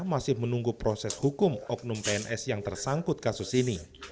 masih menunggu proses hukum oknum pns yang tersangkut kasus ini